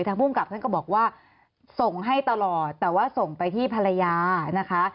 ภูมิกับท่านก็บอกว่าส่งให้ตลอดแต่ว่าส่งไปที่ภรรยานะคะ